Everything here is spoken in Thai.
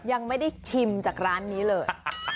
ยังไม่ได้ชิมจากร้านนี้เลย